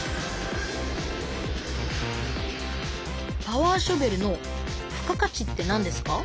パワーショベルの付加価値ってなんですか？